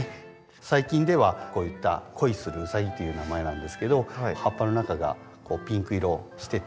最近ではこういった恋するウサギという名前なんですけど葉っぱの中がこうピンク色してて。